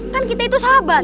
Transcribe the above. kan kita itu sahabat